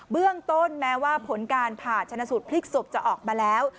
เบื้องต้นแม้ว่าผลการผ่าชนะสูตรพลิกศพจะออกมาแล้ว